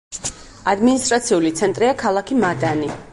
ადმინისტრაციული ცენტრია ქალაქი მადანი.